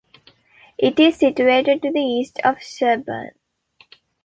It is situated to the east of Sherburn.